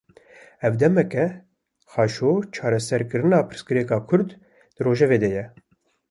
Ev demeke, qaşo çareserkirina pirsgirêka Kurd, di rojevê de ye